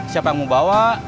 siapa yang mau bawa